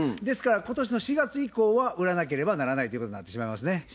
ですから今年の４月以降は売らなければならないということになってしまいますね。